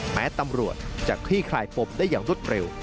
แม้ตำรวจจะคลี่คลายปมได้อย่างรวดเร็ว